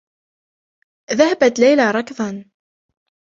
ذهبت ليلى ركضا.